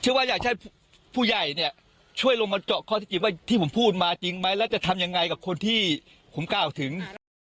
ว่าอยากให้ผู้ใหญ่เนี่ยช่วยลงมาเจาะข้อที่จริงว่าที่ผมพูดมาจริงไหมแล้วจะทำยังไงกับคนที่ผมกล่าวถึง